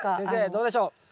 先生どうでしょう？